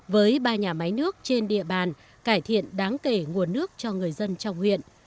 với ba nhà máy nước trên địa bàn cải thiện đáng kể nguồn nước cho người dân trong huyện